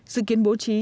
dự kiến bố trí